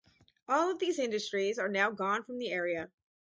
All of these industries are now gone from the area.